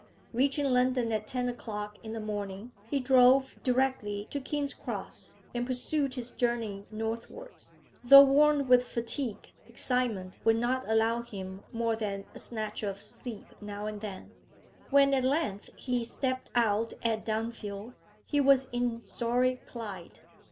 Reaching London at ten o'clock in the morning, he drove directly to King's Cross, and pursued his journey northwards. Though worn with fatigue, excitement would not allow him more than a snatch of sleep now and then. When at length he stepped out at Dunfield, he was in sorry plight.